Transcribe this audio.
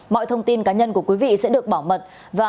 mọi thông tin cá nhân của quý vị sẽ được bảo mật